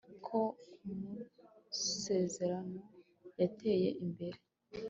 ho kumasezerano yateye imbere